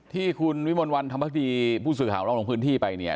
ที่คุณวิมวลวันธรรมดีผู้สื่อหาวงลงพื้นที่ไปเนี่ย